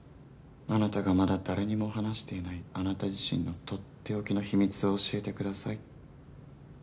あなたがまだ誰にも話していないあなた自身の取っておきの秘密を教えてください